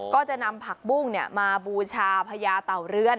ก็จะนำผักบุ้งมาบูชาพญาเต่าเรือน